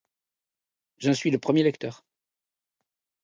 J’en suis le premier lecteur.